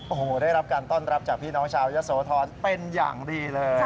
โอ้โหได้รับการต้อนรับจากพี่น้องชาวยะโสธรเป็นอย่างดีเลย